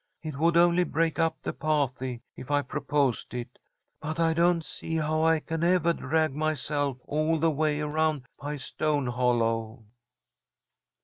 It would only break up the pah'ty if I proposed it. But I do not see how I can evah drag myself all the way around by Stone Hollow."